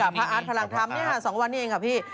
กับพระอาจพลังธรรมนี้ฮะ๒วันนี้เองครับพี่